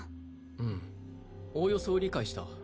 ふむおおよそ理解した